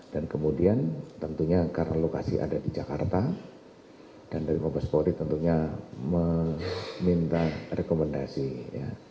dan kemudian tentunya karena lokasi ada di jakarta dan dari makas polri tentunya meminta rekomendasi ya